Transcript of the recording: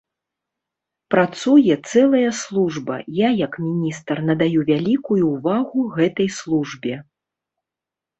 Працуе цэлая служба, я як міністр надаю вялікую ўвагу гэтай службе.